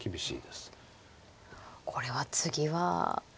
これは次は８。